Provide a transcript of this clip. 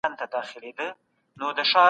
لوستې مور د ماشومانو د ناروغۍ مخه نيسي.